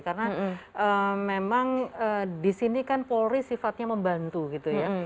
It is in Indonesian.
karena memang di sini kan polri sifatnya membantu gitu ya